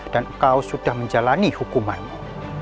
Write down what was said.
dan kau sudah menjalani hukumanmu